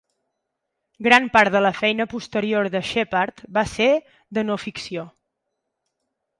Gran part de la feina posterior de Shepard va ser de no ficció.